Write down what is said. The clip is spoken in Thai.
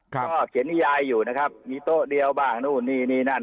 ก็เขียนนิยายอยู่นะครับมีโต๊ะเดียวบ้างนู่นนี่นี่นั่น